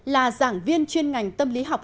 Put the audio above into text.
là giảng viên chuyên ngành tâm lý học